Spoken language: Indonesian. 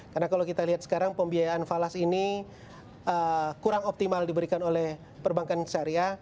karena kalau kita lihat sekarang pembiayaan falas ini kurang optimal diberikan oleh perbankan syariah